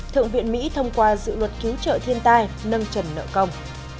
thượng viện mỹ thông qua dự luật cứu trợ thiên tai nâng trần nợ công